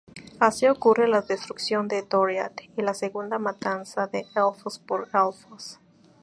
Así ocurre la destrucción de Doriath y la Segunda Matanza de Elfos por Elfos.